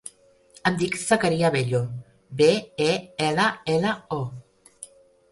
Em dic Zakaria Bello: be, e, ela, ela, o.